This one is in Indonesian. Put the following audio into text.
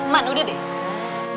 man udah deh